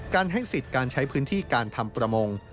ให้สิทธิ์การใช้พื้นที่การทำประมง